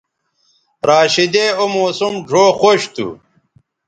راشدے او موسم ڙھؤ خوش تھو